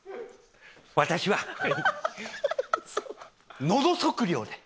私はのど測量で。